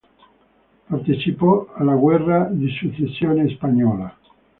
Partecipò alla guerra di successione spagnola.